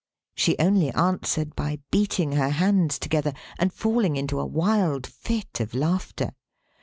She only answered by beating her hands together, and falling into a wild fit of laughter.